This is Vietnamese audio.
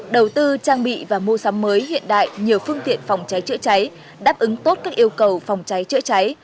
đầu tư trang bị và mua sắm mới hiện đại nhiều phương tiện phòng cháy chữa cháy đáp ứng tốt các yêu cầu phòng cháy chữa cháy